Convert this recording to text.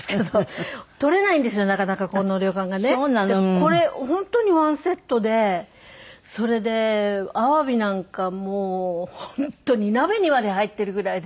これ本当に１セットでそれでアワビなんかもう本当に鍋にまで入っているぐらいで。